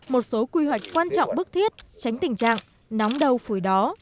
một số quy hoạch quan trọng bức thiết tránh tình trạng nóng đầu phủi đó